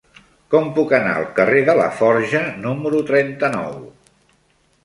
Com puc anar al carrer de Laforja número trenta-nou?